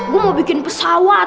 gue mau bikin pesawat